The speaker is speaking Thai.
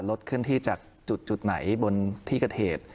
เคลื่อนที่จากจุดไหนบนที่เกิดเหตุ